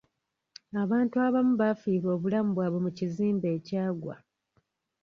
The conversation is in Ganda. Abantu abamu baafiirwa obulamu bwabwe mu kizimbe ekyagwa.